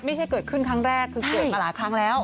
ไม่ใช่เกิดขึ้นครั้งแรกคือเกิดมาหลายครั้งแล้ว